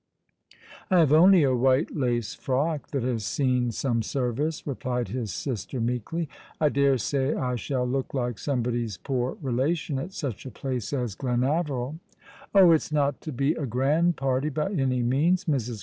"I have only a white lace frock that has seen some service," replied his sister, meekly. "I dare say I shall look like somebody's poor relation at such a place as Glenavcril." ii8 All along the River, " Oh, it's not to be a grand party, by any means. Mrs.